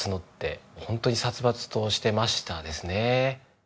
ホントに殺伐としてましたですね。